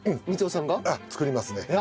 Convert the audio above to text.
光夫さんが？作りますね。